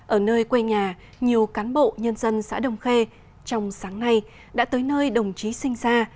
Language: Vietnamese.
ở nơi quê nhà nhiều cán bộ nhân dân xã đồng khê trong sáng nay đã tới nơi đồng chí sinh ra